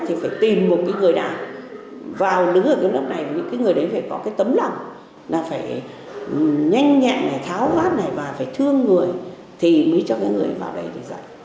được tìm một người nào vào nữ ở lớp này những người đấy phải có tấm lòng là phải nhanh nhẹ tháo vát và phải thương người thì mới cho người vào đây dạy